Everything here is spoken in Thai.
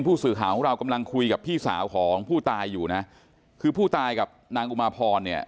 ผู้สื่อข่าวของเรากำลังคุยกับพี่สาวของผู้ตายอยู่นะคือผู้ตายกับนางอุมาพรเนี่ย